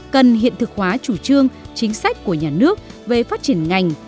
cần hiện thực hóa chủ trương chính sách của nhà nước về phát triển ngành